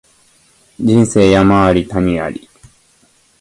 人生山あり谷あり